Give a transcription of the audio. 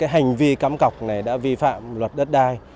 hành vi cắm cọc này đã vi phạm luật đất đai